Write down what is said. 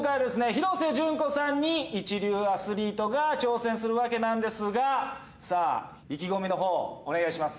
廣瀬順子さんに一流アスリートが挑戦するわけなんですがさあ意気込みのほうをお願いします。